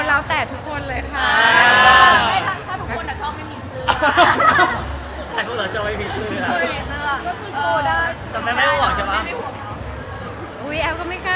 ขออภัยนิดนึงก่อนนะคะ